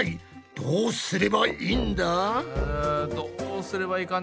どうすればいいかな？